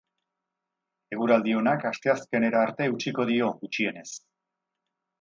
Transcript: Eguraldi onak asteazkenera arte eutsiko dio, gutxienez.